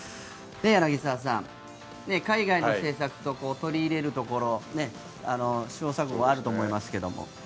柳澤さん海外の政策と取り入れるところ試行錯誤はあると思いますけれども。